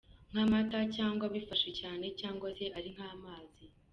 nk’amata, cyangwa bifashe cyane cyangwa se ari nk’amazi.